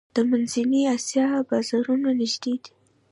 د منځنۍ اسیا بازارونه نږدې دي